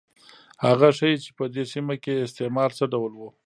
هغه ښيي چې په دې سیمه کې استعمار څه ډول و.